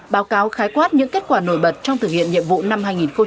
báo cáo khái quát những kết quả nổi bật trong thực hiện nhiệm vụ năm hai nghìn hai mươi